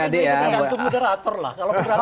tapi ini bergantung moderator lah